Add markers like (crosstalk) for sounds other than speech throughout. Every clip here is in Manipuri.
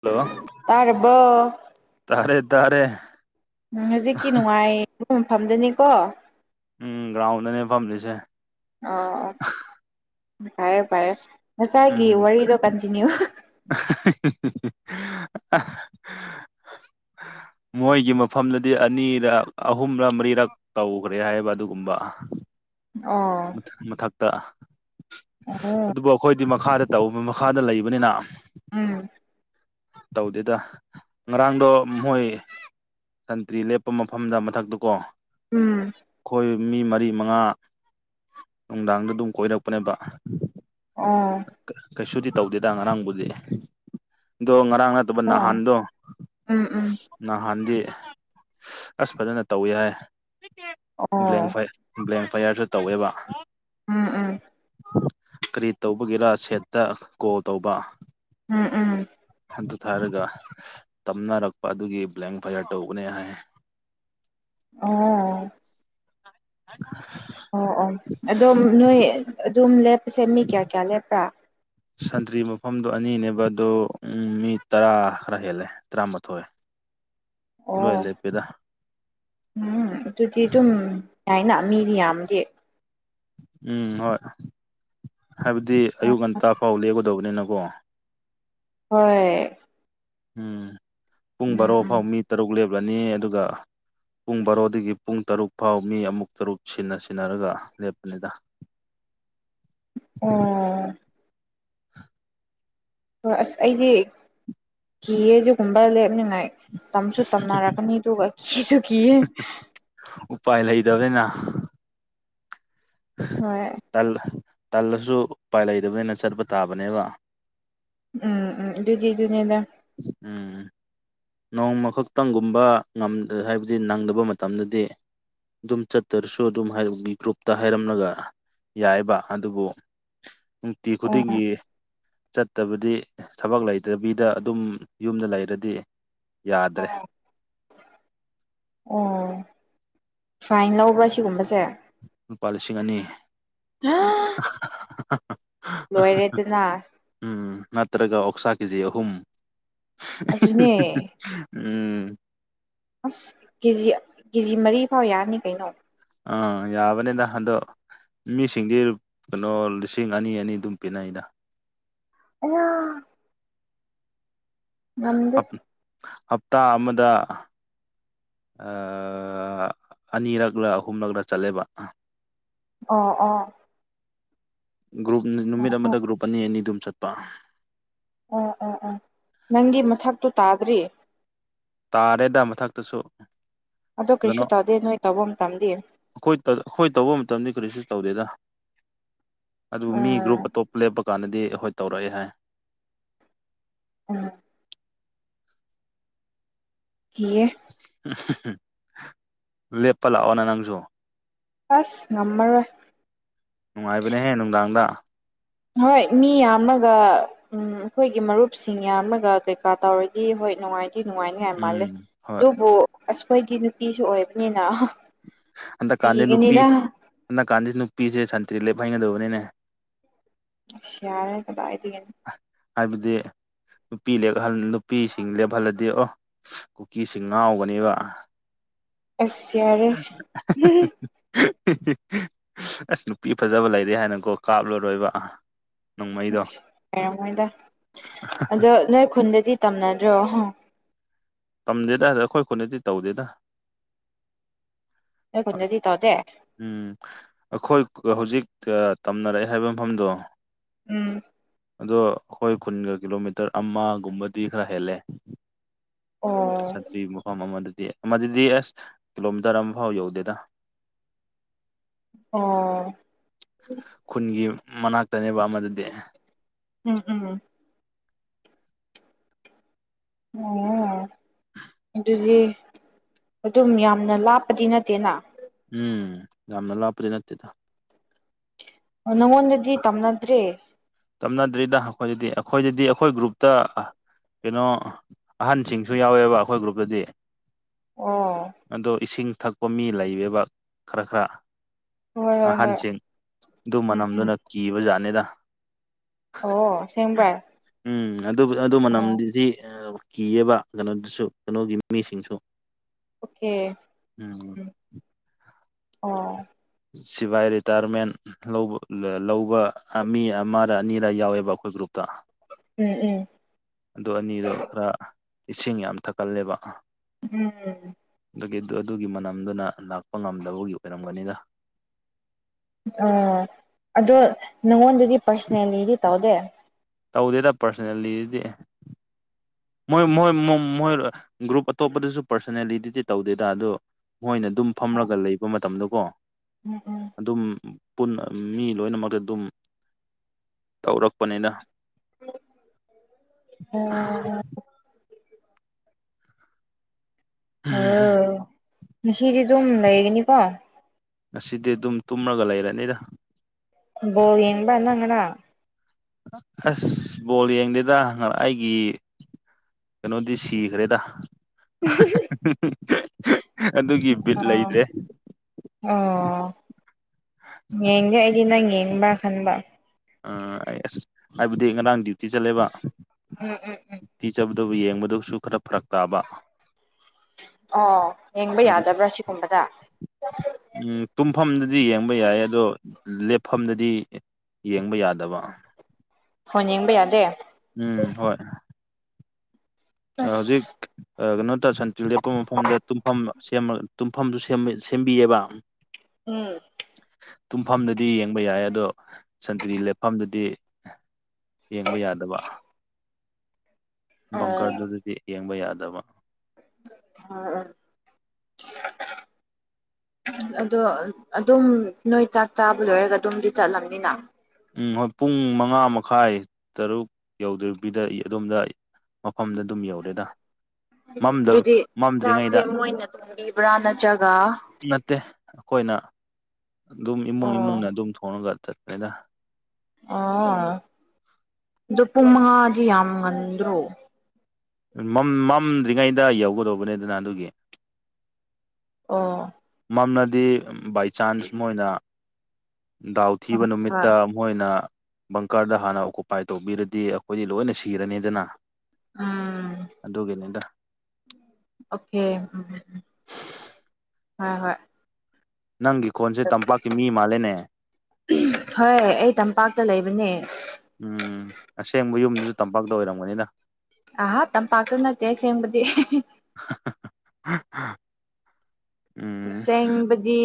ꯍꯜꯂꯣ ꯇꯔꯕꯣ ꯇꯥꯔꯦ ꯇꯥꯔꯦ ꯎꯝ ꯍꯧꯖꯤꯛꯀꯤ ꯅꯨꯡꯉꯥꯏꯕꯒꯨꯝ ꯐꯝꯖꯅꯤꯀꯣ ꯎꯝ ꯒ꯭ꯔꯥꯎꯟꯗꯅꯦ ꯐꯝꯂꯤꯁꯦ ꯑꯣ ꯑꯣ ꯐꯔꯦ ꯐꯔꯦ ꯉꯁꯥꯏꯒꯤ ꯎꯝ ꯋꯥꯔꯤꯗꯣ ꯀꯟꯇꯤꯅꯤ꯭ꯌꯨ (unintelligible) (unintelligible) ꯃꯣꯏꯒꯤ ꯃꯐꯝꯗꯗꯤ ꯑꯅꯤꯔ ꯑꯍꯨꯝꯔ ꯃꯔꯤꯔꯛ ꯇꯧꯒ꯭ꯔꯦ ꯍꯥꯏꯕ ꯑꯗꯨꯒꯨꯝꯕ ꯃꯊꯪ ꯃꯊꯛꯇ ꯑꯗꯣ ꯑꯗꯨꯕꯨ ꯑꯈꯣꯏꯗꯤ ꯃꯈꯥꯗ ꯇꯧꯕ ꯃꯈꯥꯗ ꯂꯩꯕꯅꯤꯅ ꯎꯝ ꯇꯧꯗꯦꯗ ꯉꯔꯥꯡꯗꯣ ꯃꯣꯏ ꯁꯟꯇ꯭ꯔꯤ ꯂꯦꯞꯄ ꯃꯐꯝꯗ ꯃꯊꯛꯇ ꯀꯣ ꯎꯝ ꯑꯩꯈꯣꯏ ꯃꯤ ꯃꯔꯤ ꯃꯉꯥ ꯅꯨꯡꯗꯥꯡꯗ ꯗꯨꯝ ꯀꯣꯏꯔꯛꯄꯅꯦꯕ ꯑꯣ ꯀꯩꯁꯨꯗꯤ ꯇꯧꯗꯦꯗ ꯉꯔꯥꯡꯕꯨꯗꯤ ꯑꯗꯣ ꯉꯔꯥꯡꯅ ꯑꯗꯨꯒ ꯑꯣ ꯅꯍꯥꯟꯗꯣ ꯎꯝ ꯎꯝ ꯅꯍꯥꯟꯗꯤ ꯑꯁ ꯐꯖꯅ ꯇꯧꯏ ꯍꯥꯏ ꯑꯣ ꯕ꯭ꯂꯦꯡ ꯐꯥꯏꯠ ꯕ꯭꯭ꯂꯦꯝ ꯐꯌꯥꯔꯁꯨ ꯇꯧꯋꯦꯕ ꯎꯝ ꯎꯝ ꯀꯔꯤ ꯇꯧꯕꯒꯦꯔꯥ ꯁꯦꯠꯇ ꯀꯣꯜ ꯇꯧꯕ ꯎꯝ ꯎꯝ ꯑꯗꯨ ꯊꯥꯔꯒ ꯇꯝꯅꯔꯛꯄ ꯑꯗꯨꯒꯤ ꯕ꯭ꯂꯦꯡ ꯐꯌꯥꯔ ꯇꯧꯕꯅꯦ ꯍꯥꯏ ꯑꯣ (unintelligible) ꯑꯣ ꯑꯣ ꯑꯗꯨꯝ ꯅꯣꯏ ꯑꯗꯨꯝ ꯂꯦꯞꯄꯁꯦ ꯃꯤ ꯀꯌꯥ ꯀꯌꯥ ꯂꯦꯞꯄ꯭ꯔꯥ ꯁꯟꯇ꯭ꯔꯤ ꯃꯐꯝꯗꯣ ꯑꯅꯤꯅꯦꯕ ꯑꯗꯣ ꯃꯤ ꯇꯔꯥ ꯈꯔ ꯍꯦꯜꯂꯦ ꯇꯔꯥꯃꯥꯊꯣꯏ ꯂꯣꯏ ꯑꯣ ꯂꯦꯞꯄꯦꯗ ꯎꯝ ꯑꯗꯨꯗꯤ ꯑꯗꯨꯝ ꯌꯥꯏꯅ ꯃꯤꯗꯤ ꯌꯥꯝꯗꯤ ꯎꯝ ꯍꯣꯏ ꯍꯥꯏꯕꯗꯤ ꯑꯌꯨꯛ ꯉꯟꯇꯥ ꯐꯥꯎ ꯂꯦꯞꯒꯗꯧꯕꯅꯤꯅꯀꯣ ꯍꯣꯏ ꯎꯝ ꯄꯨꯡ ꯎꯝ ꯕꯥꯔꯣ ꯎꯝ ꯐꯥꯎ ꯃꯤ ꯇꯔꯨꯛ ꯂꯦꯞꯂꯅꯤ ꯑꯗꯨꯒ ꯄꯨꯡ ꯕꯥꯔꯣꯗꯒꯤ ꯄꯨꯡ ꯇꯔꯨꯛ ꯐꯥꯎ ꯃꯤ ꯑꯃꯨꯛ ꯇꯔꯨꯛ ꯁꯤꯟꯅ ꯁꯤꯟꯅꯔꯒ ꯂꯦꯞꯄꯅꯤꯗ ꯑꯣ ꯍꯣꯏ ꯑꯁ ꯑꯩꯗꯤ ꯀꯤꯌꯦ ꯑꯗꯨꯒꯨꯝꯕ ꯂꯦꯞꯅꯤꯉꯥꯏ ꯇꯝꯁꯨ ꯇꯝꯅꯔꯛꯀꯥꯅꯤ ꯑꯗꯨꯒ ꯀꯤꯁꯨ ꯀꯤꯌꯦ ꯎꯄꯥꯏ ꯂꯩꯗꯕꯩꯅ ꯍꯣꯏ ꯇꯜ ꯇꯜꯂꯁꯨ ꯎꯄꯥꯏ ꯂꯩꯇꯕꯅꯤꯅ ꯆꯠꯄ ꯇꯥꯕꯅꯦꯕ ꯎꯝ ꯎꯝ ꯑꯗꯨꯗꯤ ꯑꯗꯨꯅꯤꯗ ꯎꯝ ꯅꯣꯡꯃꯈꯛꯇꯪꯒꯨꯝꯕ ꯉꯝ ꯍꯥꯏꯕꯗꯤ ꯅꯪꯗꯕ ꯃꯇꯝꯗꯗꯤ ꯑꯗꯨꯝ ꯆꯠꯇꯔꯁꯨ ꯑꯗꯨꯝ (unintelligible) ꯒ꯭ꯔꯨꯞꯇꯥ ꯍꯥꯏꯔꯝꯂꯒ ꯌꯥꯏꯕ ꯑꯗꯨꯕꯨ ꯅꯨꯡꯇꯤ ꯑꯣ ꯈꯨꯗꯤꯡꯒꯤ ꯆꯠꯇꯕꯗꯤ ꯊꯕꯛ ꯂꯩꯇꯕꯤꯗ ꯑꯗꯨꯝ ꯌꯨꯝꯗ ꯂꯩꯔꯗꯤ ꯌꯥꯗ꯭ꯔꯦ (inaudible) ꯑꯣ ꯐꯥꯏꯟ ꯂꯧꯕ꯭ꯔꯥ ꯁꯤꯒꯨꯝꯕꯁꯦ ꯂꯨꯄꯥ ꯂꯤꯁꯤꯡ ꯑꯅꯤ ꯂꯣꯏꯔꯦꯗꯅ ꯎꯝ ꯅꯠꯇ꯭ꯔꯥꯒ ꯑꯣꯛꯁꯥ ꯀꯦꯖꯤ ꯑꯍꯨꯝ ꯑꯗꯨꯅꯦ ꯎꯝ ꯑꯁ ꯀꯦꯖꯤ ꯀꯦꯖꯤ ꯃꯔꯤꯐꯥꯎ ꯌꯥꯔꯅꯤ ꯀꯩꯅꯣ ꯑꯥ ꯌꯥꯕꯅꯦꯗ ꯑꯗꯣ ꯃꯤꯁꯤꯡꯗꯤ ꯀꯥꯅꯣ ꯂꯤꯁꯤꯡ ꯑꯅꯤ ꯑꯅꯤ ꯑꯗꯨꯝ ꯄꯤꯅꯩꯗ ꯑꯌꯥ ꯉꯝꯗꯦ ꯍꯞ ꯍꯞꯇꯥ ꯑꯃꯗ ꯑꯥ ꯑꯅꯤꯔꯛꯂꯥ ꯑꯍꯨꯝꯔꯛꯂꯥ ꯆꯠꯂꯦꯕ ꯑꯣ ꯑꯣ ꯒ꯭ꯔꯨꯞ ꯅꯨꯃꯤꯠ ꯑꯣ ꯑꯃꯗ ꯒ꯭ꯔꯨꯞ ꯑꯅꯤ ꯑꯅꯤ ꯑꯗꯨꯝ ꯆꯠꯄ ꯑꯥ ꯑꯥ ꯑꯥ ꯅꯪꯒꯤ ꯃꯊꯛꯇꯨ ꯇꯥꯗ꯭ꯔꯤ ꯇꯥꯔꯦꯗ ꯃꯊꯛꯇꯁꯨ ꯑꯗꯣ ꯀꯔꯤꯁꯨ ꯇꯧꯗꯦ ꯅꯣꯏ ꯇꯧꯕ ꯃꯇꯝꯗꯤ ꯑꯈꯣꯏ ꯇꯥ ꯑꯈꯣꯏ ꯇꯧꯕ ꯃꯇꯝꯗꯤ ꯀꯔꯤꯁꯨ ꯇꯧꯗꯦꯗ ꯑꯗꯨ ꯃꯤ ꯒ꯭ꯔꯨꯞ ꯎꯝ ꯑꯇꯣꯞꯄ ꯂꯦꯞꯄ ꯀꯥꯟꯗꯗꯤ ꯍꯣꯏ ꯇꯧꯔꯛꯑꯦ ꯍꯥꯏ ꯎꯝ ꯀꯤꯌꯦ (unintelligible) ꯂꯦꯞꯄ ꯂꯥꯛꯑꯣꯅ ꯅꯪꯖꯨ ꯑꯦꯁ ꯉꯝꯃꯔꯣꯏ ꯅꯨꯡꯉꯥꯏꯕꯅꯦꯍꯦ ꯅꯨꯡꯗꯥꯡꯗ ꯍꯣꯏ ꯃꯤ ꯌꯥꯝꯃ꯭ꯔꯒ ꯎꯝ ꯑꯈꯣꯏꯒꯤ ꯃꯔꯨꯞꯁꯤꯡ ꯌꯥꯝꯔꯒ ꯀꯩꯀꯥ ꯇꯧꯔꯗꯤ ꯍꯣꯏ ꯅꯨꯡꯉꯥꯏ ꯀꯤꯅꯨꯡꯉꯥꯏꯅꯤꯍꯦ ꯃꯥꯜꯂꯦ ꯎꯝ ꯍꯣꯏ ꯗꯨꯕꯨ ꯑꯁ ꯈꯣꯏꯒꯤ ꯅꯨꯄꯤꯁꯨ ꯑꯣꯏꯕꯅꯤꯅ ꯍꯟꯗꯛꯀꯥꯟꯗꯤ ꯅꯨꯄꯤ ꯀꯤꯒꯅꯤꯗ ꯍꯟꯗꯛꯀꯥꯟꯗꯤ ꯅꯨꯄꯤꯖꯦ ꯁꯟꯇ꯭ꯔꯤ ꯂꯦꯞꯍꯟꯒꯗꯧꯕꯅꯤꯅꯦ꯫ ꯏꯁ ꯌꯥꯔꯦ ꯀꯗꯥꯏꯗꯒꯤꯅꯣ ꯍꯥꯏꯕꯗꯤ ꯅꯨꯄꯤ ꯂꯦꯛꯍꯜ ꯅꯨꯄꯤꯁꯤꯡ ꯂꯦꯞꯍꯜꯂꯗꯤ ꯑꯣ ꯀꯨꯀꯤꯁꯤꯡ ꯉꯥꯎꯒꯅꯦꯕ꯫ ꯑꯁ ꯌꯥꯔꯦ (unintelligible) (unintelligible) ꯑꯁ ꯅꯨꯄꯤ ꯐꯖꯕ ꯂꯩꯔꯦ ꯍꯥꯏꯅꯀꯣ ꯀꯥꯞꯂꯔꯣꯏꯕ꯫ ꯅꯣꯡꯃꯩꯗꯣ ꯂꯩꯔꯝꯃꯣꯏꯗ ꯑꯗꯣ ꯅꯣꯏ ꯈꯨꯟꯗꯗꯤ ꯇꯝꯅꯗ꯭ꯔꯣ꯫ ꯇꯝꯗꯦꯗ ꯗ ꯑꯈꯣꯏ ꯈꯨꯟꯗꯗꯤ ꯇꯧꯗꯦꯗ꯫ ꯅꯣꯏ ꯈꯨꯟꯗꯗꯤ ꯇꯧꯗꯦ꯫ ꯎꯝ ꯑꯈꯣꯏ ꯀ ꯍꯧꯖꯤꯛ ꯑꯥ ꯇꯝꯅꯔꯛꯑꯦ ꯍꯥꯏꯕ ꯃꯐꯝꯗꯣ ꯎꯝ ꯑꯗꯣ ꯑꯈꯣꯏ ꯈꯨꯟꯒ ꯀꯤꯂꯣꯃꯤꯇꯔ ꯑꯃꯒꯨꯝꯕꯗꯤ ꯈꯔ ꯍꯦꯜꯂꯦ꯫ ꯑꯣ ꯆꯠꯇ꯭ꯔꯤꯕ ꯃꯐꯝ ꯑꯃꯗꯗꯤ ꯑꯃꯗꯗꯤ ꯑꯦꯁ ꯀꯤꯂꯣꯃꯤꯇꯔ ꯑꯃꯐꯥꯎ ꯌꯧꯗꯦꯗ꯫ ꯑꯣ ꯈꯨꯟꯒꯤ ꯃꯅꯥꯛꯇꯅꯦꯕ ꯑꯃꯗꯨꯗꯤ ꯎꯝ ꯎꯝ (unintelligible) ꯑꯗꯨꯗꯤ ꯑꯗꯨꯝ ꯌꯥꯝꯅ ꯂꯥꯞꯄꯗꯤ ꯅꯠꯇꯦꯅ ꯎꯝ ꯌꯥꯝꯅ ꯂꯥꯞꯄꯗꯤ ꯅꯠꯇꯦꯗ ꯅꯪꯉꯣꯟꯗꯗꯤ ꯇꯝꯅꯗ꯭ꯔꯤ ꯇꯝꯅꯗ꯭ꯔꯤꯗ ꯑꯈꯣꯏꯗꯗꯤ ꯑꯈꯣꯏꯗꯗꯤ ꯑꯈꯣꯏ ꯒ꯭ꯔꯨꯞꯇ ꯑ ꯀꯩꯅꯣ ꯑꯍꯟꯁꯤꯡꯁꯨ ꯌꯥꯎꯋꯦꯕ ꯑꯈꯣꯏ ꯒ꯭ꯔꯨꯞꯇꯗꯤ ꯑꯣ ꯑꯗꯣ ꯏꯁꯤꯡ ꯊꯛꯄ ꯃꯤ ꯂꯩꯌꯦꯕ ꯈ꯭ꯔ-ꯈ꯭ꯔ ꯍꯣꯏ ꯍꯣꯏ ꯍꯣꯏ ꯑꯍꯟꯁꯤꯡ ꯗꯨ ꯎꯝ ꯎꯝ ꯃꯅꯝꯗꯨꯅ ꯀꯤꯕꯖꯥꯠꯅꯤꯗ꯫ ꯑꯣ ꯑꯁꯦꯡꯕ꯭ꯔꯥ ꯎꯝ ꯑꯗꯨꯕꯨ ꯑꯗꯨ ꯑꯣ ꯃꯅꯝꯗꯨꯗꯤ ꯑ ꯀꯤꯌꯦꯕ ꯀꯩꯅꯣꯗꯨꯁꯨ ꯀꯩꯅꯣꯒꯤ ꯃꯤꯁꯤꯡꯁꯨ꯫ ꯑꯣꯀꯦ ꯎꯝ ꯑꯣ ꯁꯤꯕꯥꯏ ꯔꯤꯇꯥꯏ꯭ꯔꯃꯦꯟ ꯂꯧꯕ ꯂꯦ ꯂꯧꯕ ꯑ ꯃꯤ ꯑꯃꯔ ꯑꯅꯤꯔ ꯌꯥꯎꯋꯦꯕ ꯑꯈꯣꯏ ꯒ꯭ꯔꯨꯞꯇ꯫ ꯎꯝ ꯎꯝ ꯑꯗꯨ ꯑꯅꯤꯗꯣ ꯈ꯭ꯔ ꯏꯁꯤꯡ ꯌꯥꯝ ꯊꯛꯀꯜꯂꯦꯕ꯫ (inaudible) ꯗꯨꯒꯤ ꯑꯗꯨ ꯑꯗꯨꯒꯤ ꯃꯅꯝꯗꯨꯅ ꯂꯥꯛꯄ ꯉꯝꯗꯕꯒꯤ ꯑꯣꯏꯔꯝꯒꯅꯤꯗ꯫ ꯑꯥ ꯑꯗꯣ ꯅꯪꯉꯣꯟꯗꯗꯤ ꯄꯔꯁꯅꯦꯜꯂꯤꯗꯤ ꯇꯧꯗꯦ꯫ ꯇꯧꯗꯦꯗ ꯄꯥꯔꯁꯅꯦꯜꯂꯤꯗꯤ ꯃꯣꯏ-ꯃꯣꯏ ꯃꯣ ꯃꯣꯏ ꯔ ꯑ ꯒ꯭ꯔꯨꯞ ꯑꯇꯣꯞꯄꯗꯁꯨ ꯄꯔꯁꯣꯅꯦꯂꯤꯗꯗꯤ ꯇꯧꯗꯦꯗ ꯑꯗꯣ ꯃꯣꯏꯅ ꯑꯗꯨꯝ ꯐꯝꯔꯒ ꯂꯩꯕ ꯃꯇꯝꯗ ꯀꯣ ꯎꯝ ꯎꯝ ꯑꯗꯨꯝ ꯄꯨꯟꯅ ꯃꯤ ꯂꯣꯏꯅꯃꯛꯇ ꯑꯗꯨꯝ ꯇꯧꯔꯛꯄꯅꯦꯅ (inaudible) ꯍꯥꯎ ꯉꯁꯤꯗꯤ ꯑꯗꯨꯝ ꯂꯩꯒꯅꯤꯀꯣ ꯉꯁꯤꯗꯤ ꯑꯗꯨꯝ ꯇꯨꯝꯃꯒ ꯂꯩꯔꯅꯤꯗ ꯕꯣꯜ ꯌꯦꯡꯕ꯭ꯔ ꯅꯪ ꯉꯔꯥꯡ ꯑꯁ ꯕꯣꯜ ꯌꯦꯡꯗꯦꯗ ꯑꯩꯒꯤ ꯀꯩꯅꯣꯗꯤ ꯁꯤꯈ꯭ꯔꯦꯗ ꯑꯗꯨꯒꯤ ꯕꯤꯠ ꯑꯥ ꯂꯩꯇ꯭ꯔꯦ ꯑꯥꯎ ꯌꯦꯡꯒꯦ ꯑꯩꯗꯤ ꯅꯪ ꯌꯦꯡꯕ꯭ꯔꯥ ꯈꯟꯕ ꯑꯥ‌ ꯑꯁ ꯍꯥꯏꯕꯗꯤ ꯉꯔꯥꯡ ꯗ꯭ꯌꯨꯇꯤ ꯆꯠꯂꯦꯕ ꯎꯝ ꯎꯝ ꯎꯝ ꯇ꯭ꯌꯨꯇꯤ ꯆꯠꯄꯗꯕꯨ ꯌꯦꯡꯕꯗꯁꯨ ꯈꯔ ꯐꯔꯛ ꯇꯥꯕ ꯑꯣ ꯌꯦꯡꯕ ꯑꯗꯨ ꯌꯥꯗꯕ꯭ꯔꯥ ꯁꯤꯒꯨꯝꯕꯗ ꯎꯝ ꯇꯨꯝꯐꯝꯗꯗꯤ ꯌꯦꯡꯕ ꯌꯥꯏꯌꯦ ꯑꯗꯣ ꯂꯦꯞꯐꯝꯗꯗꯤ ꯌꯦꯡꯕ ꯌꯥꯗꯕ ꯐꯣꯟ ꯌꯦꯡꯕ ꯌꯥꯗꯦ ꯎꯝ ꯍꯣꯏ ꯑꯥꯥ ꯍꯧꯖꯤꯛ ꯑꯁ ꯀꯩꯅꯣ ꯇꯧ ꯁꯟꯇ꯭ꯔꯤ ꯂꯦꯞꯄ ꯃꯐꯝꯗ ꯇꯨꯝꯐꯝ ꯁꯦꯝ ꯇꯨꯝꯐꯝꯁꯨ ꯁꯦꯝꯕꯤꯑꯑꯦꯕ ꯎꯝ ꯇꯨꯝꯐꯝꯗꯗꯤ ꯌꯦꯡꯕ ꯌꯥꯏ ꯑꯗꯣ ꯁꯟꯇ꯭ꯔꯤ ꯂꯦꯞꯐꯝꯗꯨꯗꯤ ꯌꯦꯡꯕ ꯌꯥꯗꯕ ꯑꯥ ꯕꯪꯀꯔꯗꯨꯗꯗꯤ ꯌꯦꯡꯕ ꯌꯥꯗꯕ ꯑꯣ ꯑꯣ ꯑꯗꯣ ꯑꯗꯨꯝ ꯅꯣꯏ ꯆꯥꯛ ꯆꯥꯕ ꯂꯣꯏꯔꯒ ꯑꯗꯨꯝꯗꯤ ꯆꯠꯂꯝꯅꯤꯅ ꯎꯝ ꯍꯣꯏ ꯄꯨꯡ ꯃꯉꯥ ꯃꯈꯥꯏ ꯇꯔꯨꯛ ꯌꯧꯗꯕꯤꯗ ꯑꯗꯣꯝꯗ ꯃꯐꯝꯗ ꯑꯗꯨꯝ ꯌꯧꯔꯦꯗ ꯑꯗꯨꯗꯤ ꯆꯥꯛꯁꯦ ꯃꯝꯗ꯭ꯔꯤꯉꯩꯗ ꯃꯣꯏꯅ ꯊꯣꯡꯕꯤꯕ꯭ꯔꯥ ꯅꯠꯇ꯭ꯔꯒ ꯅꯠꯇꯦ ꯑꯩꯈꯣꯏꯅ ꯑꯗꯨꯝ ꯏꯃꯨꯡ ꯑꯣ ꯏꯃꯨꯡꯅ ꯑꯗꯨꯝ ꯊꯣꯡꯉꯒ ꯆꯠꯂꯦꯗ ꯑꯣ ꯑꯗꯣ ꯄꯨꯡ ꯃꯉꯥꯗꯤ ꯌꯥꯝ ꯉꯟꯗ꯭ꯔꯣ ꯃꯝ ꯃꯝꯗ꯭ꯔꯤꯉꯩꯗ ꯌꯧꯒꯗꯧꯕꯅꯦ ꯑꯗꯨꯅ ꯑꯗꯨꯒꯤ ꯑꯣ ꯃꯝꯂꯗꯤ ꯕꯥꯏ ꯆꯥꯟꯁ ꯃꯣꯏꯅ ꯗꯥꯎ ꯊꯤꯕ ꯍꯣꯏ ꯅꯨꯃꯤꯠꯇ ꯃꯣꯏꯅ ꯕꯪꯀꯔꯗ ꯍꯥꯟꯅ ꯑꯣꯀꯨꯄꯥꯏ ꯇꯧꯕꯤꯔꯗꯤ ꯑꯩꯈꯣꯏꯗꯤ ꯂꯣꯏꯅ ꯁꯤꯔꯅꯤꯗꯅ ꯎꯝ ꯑꯗꯨꯒꯤꯅꯦꯗ ꯑꯣꯀꯦ ꯍꯣꯏ ꯍꯣꯏ ꯅꯪꯒꯤ ꯈꯣꯟꯁꯦ ꯇꯝꯄꯥꯛꯀꯤ ꯃꯤ ꯃꯥꯜꯂꯦꯅꯦ ꯍꯣꯏ ꯑꯩ ꯇꯝꯄꯥꯛꯇ ꯂꯩꯕꯅꯦ ꯎꯝ ꯑꯁꯦꯡꯕ ꯌꯨꯝꯗꯨꯁꯨ ꯇꯝꯄꯥꯛꯇ ꯑꯣꯏꯔꯝꯒꯅꯤꯗ ꯑꯍꯥ ꯇꯝꯄꯥꯛꯇ ꯅꯠꯇꯦ ꯑꯁꯦꯡꯕꯗꯤ (inaudible) ꯎꯝ ꯑꯁꯦꯡꯕꯗꯤ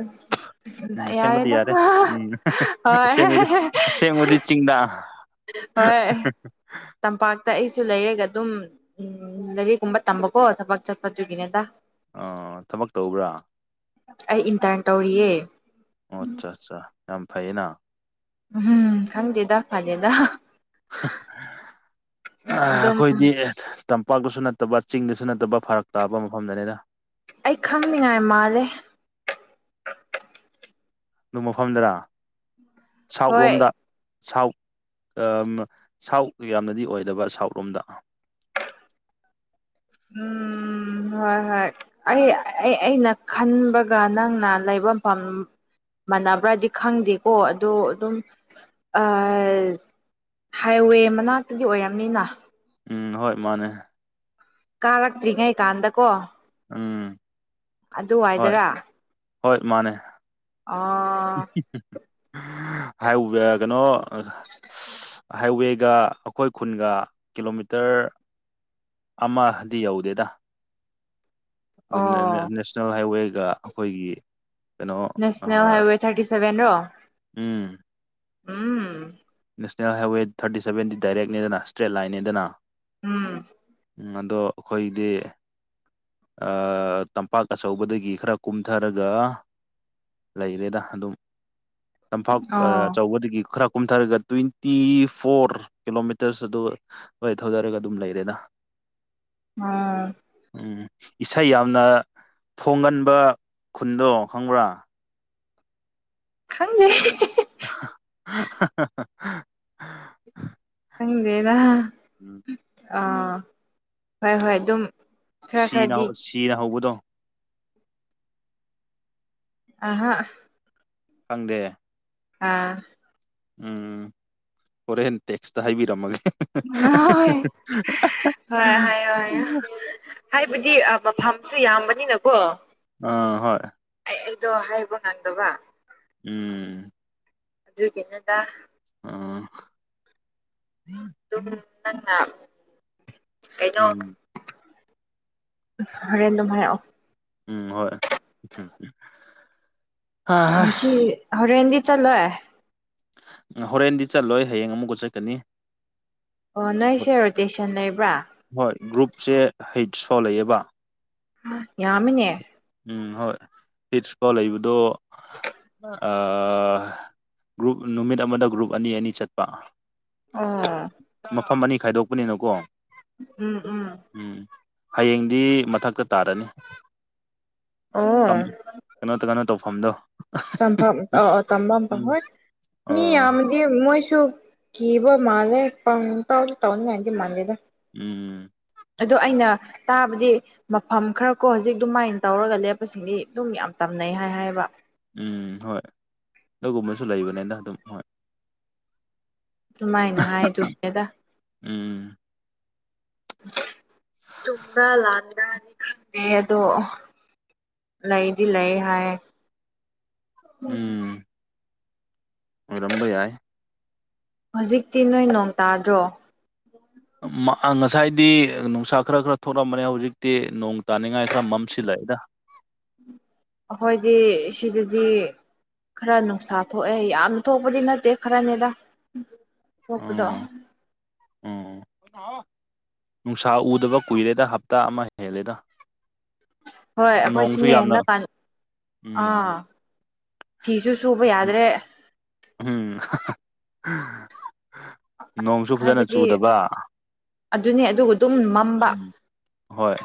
ꯑꯁ ꯎꯝ ꯑꯁꯦꯡꯕꯗꯤ ꯌꯥꯔꯦꯗ ꯌꯥꯔꯦ ꯎꯝ ꯍꯣꯏ ꯑꯁꯦꯡꯕꯗꯤ ꯑꯁꯦꯡꯕꯗꯤ ꯆꯤꯡꯗ ꯍꯣꯏ ꯇꯝꯄꯥꯛꯇ ꯑꯩꯁꯨ ꯂꯩꯔꯒ ꯑꯗꯨꯝ ꯎꯝ ꯂꯥꯏꯔꯤꯛꯒꯨꯝꯕ ꯇꯝꯕꯀꯣ ꯊꯕꯛ ꯆꯠꯄꯗꯨꯒꯤꯅꯤꯗ ꯑꯣ ꯊꯕꯛ ꯇꯧꯕ꯭ꯔꯥ ꯑꯩ ꯏꯟꯇꯔꯟ ꯇꯧꯔꯤꯌꯦ ꯑꯣ ꯑꯠꯆꯥ ꯑꯠꯆꯥ ꯌꯥꯝ ꯐꯩꯌꯦꯅ ꯎꯝ ꯈꯪꯗꯦꯗ ꯐꯥꯅꯦꯗ ꯑꯥ ꯑꯗꯨꯝ ꯑꯩꯈꯣꯏꯗꯤ ꯇꯝꯄꯥꯛꯇꯁꯨ ꯅꯠꯇꯕ ꯆꯤꯡꯗꯁꯨ ꯅꯠꯇꯕ ꯐꯔꯛ ꯇꯥꯕ ꯃꯐꯝꯗꯅꯤꯗ ꯑꯩ ꯈꯪꯅꯤꯡꯉꯥꯏ ꯃꯥꯜꯂꯦ ꯑꯗꯨ ꯃꯐꯝꯗꯔ ꯁꯥꯎꯠ ꯍꯣꯏ ꯂꯣꯝꯗ ꯁꯥꯎꯠ ꯑꯥ ꯁꯥꯎꯠ ꯌꯥꯝꯅꯗꯤ ꯑꯣꯏꯗꯕ ꯁꯥꯎꯠ ꯔꯣꯝꯗ ꯎꯝ ꯎꯝ ꯍꯣꯏ ꯍꯣꯏ ꯑꯩ ꯑꯩꯅ ꯈꯟꯕꯒ ꯅꯪꯅ ꯂꯩ ꯃꯐꯝ ꯃꯥꯟꯅꯕ꯭ꯔꯗꯤ ꯈꯪꯗꯦꯀꯣ ꯑꯗꯣ ꯑꯗꯨꯝ ꯑꯥ ꯍꯥꯏꯋꯦ ꯃꯅꯥꯛꯇꯗꯤ ꯑꯣꯏꯔꯝꯅꯤꯅ ꯎꯝ ꯍꯣꯏ ꯃꯥꯅꯦ ꯀꯥꯔꯛꯇ꯭ꯔꯤꯉꯩ ꯀꯥꯟꯗꯀꯣ ꯎꯝ ꯍꯣꯏ ꯑꯗꯨꯋꯥꯏꯗꯔꯥ ꯍꯣꯏ ꯃꯥꯅꯦ ꯑꯣ ꯍꯥꯏꯋꯦ ꯀꯩꯅꯣ ꯍꯥꯏꯋꯦꯒ ꯑꯩꯈꯣꯏ ꯈꯨꯟꯒ ꯀꯤꯂꯣꯃꯤꯇꯔ ꯑꯃꯗꯤ ꯌꯧꯗꯦꯗ ꯑꯣ ꯅꯦꯁꯅꯦꯜ ꯍꯥꯏꯋꯦꯒ ꯑꯩꯈꯣꯏꯒꯤ ꯀꯩꯅꯣ ꯅꯦꯁꯅꯦꯜ ꯍꯥꯏꯋꯦ ꯊꯥꯔꯇꯤ ꯁꯕꯦꯟꯔꯣ ꯎꯝ ꯎꯝ ꯅꯦꯁꯅꯦꯜ ꯍꯥꯏꯋꯦ ꯊꯥꯔꯇꯤ ꯁꯕꯦꯟꯗꯤ ꯗꯥꯏꯔꯦꯛꯅꯦꯗꯅ ꯏꯁꯇ꯭ꯔꯦꯠ ꯂꯥꯏꯟꯅꯤꯗꯅ ꯎꯝ ꯎꯝ ꯑꯗꯣ ꯑꯩꯈꯣꯏꯗꯤ ꯑꯥ ꯇꯝꯄꯥꯛ ꯑꯆꯧꯕꯗꯒꯤ ꯈꯔ ꯀꯨꯝꯊꯔꯒ ꯂꯩꯔꯦꯗ ꯑꯗꯨꯝ ꯇꯝꯄꯥꯛ ꯑꯣ ꯑꯆꯧꯕꯗꯒꯤ ꯈꯔ ꯀꯨꯝꯊꯔꯒ ꯇ꯭ꯋꯦꯟꯇꯤ ꯐꯣꯔ ꯀꯤꯂꯣꯃꯤꯇꯔꯁ ꯑꯗꯨ ꯑꯗꯨꯃꯥꯏ ꯊꯧꯗꯔꯒ ꯑꯗꯨꯝ ꯂꯩꯔꯦꯗ ꯑꯣ ꯎꯝ ꯏꯁꯩ ꯌꯥꯝꯅ ꯐꯣꯡꯒꯟꯕ ꯈꯨꯟꯗꯣ ꯈꯪꯕ꯭ꯔꯥ ꯈꯪꯗꯦ (inaudible) (unintelligible) ꯈꯪꯗꯦꯗ ꯎꯝ ꯑꯥ ꯍꯣꯏ ꯍꯣꯏ ꯑꯗꯨꯝ ꯈꯔ ꯁꯤꯅ ꯈꯔꯗꯤ ꯁꯤꯅ ꯍꯧꯕꯗꯣ ꯑꯍꯥ ꯈꯪꯗꯦ ꯑꯥ ꯎꯝ ꯍꯣꯔꯦꯟ ꯇꯦꯛꯁꯇ ꯍꯥꯏꯕꯤꯔꯝꯃꯒꯦ (unintelligible) ꯍꯣꯏ ꯍꯣꯏ ꯍꯥꯏꯕꯗꯤ ꯃꯐꯝꯁꯨ ꯌꯥꯝꯕꯅꯤꯅꯀꯣ ꯑꯥ ꯍꯣꯏ ꯑꯩ ꯑꯩꯗꯣ ꯍꯥꯏꯕ ꯉꯪꯗꯕ ꯎꯝ ꯑꯗꯨꯒꯤꯅꯤꯗ ꯑꯝ ꯑꯗꯨꯝ ꯅꯪꯅ ꯀꯩꯅꯣ ꯎꯝ ꯍꯣꯔꯦꯟ ꯑꯗꯨꯝ ꯍꯥꯏꯔꯛꯑꯣ ꯎꯝ ꯍꯣꯏ ꯍꯥ ꯉꯁꯤ ꯍꯣꯔꯦꯟꯗꯤ ꯆꯠꯂꯣꯏ ꯍꯣꯔꯦꯟꯗꯤ ꯆꯠꯂꯣꯏ ꯍꯌꯦꯡ ꯑꯃꯨꯛꯀ ꯆꯠꯀꯅꯤ ꯑꯣ ꯅꯣꯏꯁꯦ ꯔꯣꯇꯦꯁꯟ ꯂꯩꯕ꯭ꯔꯥ ꯍꯣꯏ ꯒ꯭ꯔꯨꯞꯁꯦ ꯍꯩꯠꯁ ꯐꯥꯎ ꯂꯩꯌꯦꯕ ꯑꯥ ꯌꯥꯝꯃꯤꯅꯦ ꯎꯝ ꯍꯣꯏ (unintelligible) ꯂꯩꯕꯗꯣ ꯑꯥ ꯒ꯭ꯔꯨꯞ ꯅꯨꯃꯤꯠ ꯑꯃꯗ ꯒ꯭ꯔꯨꯞ ꯑꯅꯤ ꯑꯅꯤ ꯆꯠ ꯑꯣ ꯃꯐꯝ ꯑꯅꯤ ꯈꯥꯏꯗꯣꯛꯄꯅꯤꯅꯀꯣ ꯎꯝ ꯎꯝ ꯎꯝ ꯍꯌꯦꯡꯗꯤ ꯃꯊꯛꯇ ꯇꯥꯔꯅꯤ ꯑꯣ ꯇꯥꯝ ꯀꯩꯅꯣ ꯀꯩꯅꯣ ꯇꯧꯐꯝꯗꯣ ꯇꯝꯐꯝ ꯑꯥ ꯑꯥ ꯇꯝꯕ ꯃꯐꯥꯝ ꯎꯝ ꯍꯣꯢ ꯃꯤ ꯑꯣ ꯌꯥꯝ ꯑꯗꯨꯗꯤ ꯃꯣꯏꯁꯨ ꯀꯤꯕ ꯃꯥꯂꯦ ꯄꯥꯎ ꯇꯥꯎꯗ ꯇꯥꯎꯅꯤꯡꯉꯥꯢꯗꯤ ꯃꯥꯟꯗꯦꯗ ꯎꯝ ꯑꯗꯣ ꯑꯩꯅ ꯇꯥꯕꯗꯤ ꯃꯐꯝ ꯈꯔ ꯀꯣ ꯍꯧꯖꯤꯛ ꯑꯗꯨꯃꯥꯏꯅ ꯇꯧꯔꯒ ꯂꯦꯞꯄꯁꯤꯡꯗꯤ ꯑꯗꯨꯝ ꯌꯥꯝ ꯇꯝꯅꯩ ꯍꯥꯏ ꯍꯥꯏꯕ ꯎꯝ ꯍꯣꯏ ꯑꯗꯨꯒꯨꯝꯕꯁꯨ ꯂꯩꯕꯅꯤꯅ ꯑꯗꯨꯝ ꯍꯣꯏ ꯑꯗꯨꯃꯥꯏꯅ ꯍꯥꯏꯗꯨꯅꯤꯗ ꯎꯝ ꯆꯨꯝꯕ꯭ꯔꯥ ꯂꯥꯟꯕ꯭ꯔꯥ ꯈꯪꯗꯦ ꯑꯗꯣ ꯂꯩꯗꯤ ꯂꯩ ꯍꯥꯏ ꯑꯣꯢꯔꯝꯕ ꯌꯥꯏ ꯍꯧꯖꯤꯛꯇꯤ ꯅꯣꯏ ꯅꯣꯡ ꯇꯥꯗ꯭ꯔꯣ ꯉꯁꯥꯏꯗꯤ ꯅꯨꯡꯁꯥ ꯈꯔ ꯈꯔ ꯊꯣꯛꯂꯛꯕꯅꯦ ꯍꯧꯖꯤꯛꯇꯤ ꯅꯣꯡ ꯇꯥꯅꯤꯡꯉꯥꯏ ꯈꯔ ꯃꯝꯁꯤꯜꯂꯛꯑꯦꯗ ꯑꯩꯈꯣꯏꯗꯤ ꯁꯤꯗꯗꯤ ꯈꯔ ꯅꯨꯡꯁꯥ ꯊꯣꯛꯑꯦ ꯌꯥꯝꯅ ꯊꯣꯛꯄꯗꯤ ꯅꯠꯇꯦ ꯈꯔꯅꯦꯗ ꯊꯣꯛꯄꯗꯣ ꯎꯝ ꯎꯝ ꯅꯨꯡꯁꯥ ꯎꯗꯕ ꯀꯨꯏꯔꯦꯗ ꯍꯞꯇꯥ ꯑꯃ ꯍꯦꯜꯂꯦꯗ ꯍꯣꯏ ꯅꯣꯡꯁꯨ ꯑꯩꯈꯣꯏꯁꯨꯅꯦ ꯌꯥꯝꯅ ꯍꯟꯗꯛ ꯀꯥꯟ ꯑꯥ ꯎꯝ ꯐꯤꯁꯨ ꯁꯨꯕ ꯌꯥꯗ꯭ꯔꯦ ꯎꯝ ꯅꯣꯡꯁꯨ ꯐꯖꯅ ꯍꯥꯏꯕꯗꯤ ꯆꯨꯗꯕ ꯑꯗꯨꯅꯦ ꯑꯗꯨꯒ ꯑꯗꯨꯝ ꯃꯝꯕ ꯎꯝ ꯍꯣꯏ